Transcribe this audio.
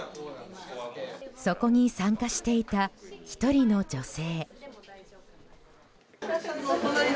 そこに参加していた１人の女性。